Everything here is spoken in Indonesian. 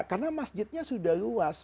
karena masjidnya sudah luas